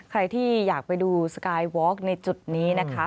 ใครที่อยากไปดูสกายวอล์กในจุดนี้นะคะ